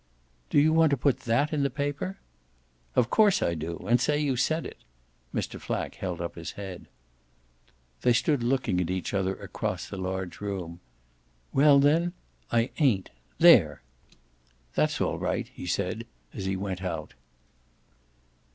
"Do you want to put that in the paper?" "Of course I do and say you said it!" Mr. Flack held up his head. They stood looking at each other across the large room. "Well then I ain't. There!" "That's all right," he said as he went out.